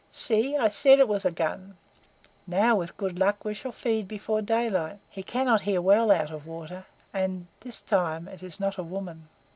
See, I said it was a gun! Now, with good luck, we shall feed before daylight. He cannot hear well out of water, and this time it is not a woman!"